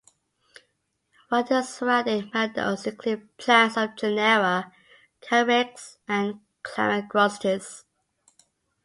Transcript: While the surrounding meadows include plants of genera "Carex" and "Calamagrostis".